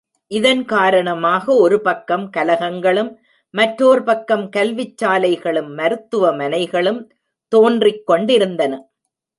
இதன் காரணமாக ஒரு பக்கம் கலகங்களும், மற்றோர் பக்கம் கல்விச் சாலைகளும், மருத்துவமனைகளும் தோன்றிக் கொண்டிருந்தன.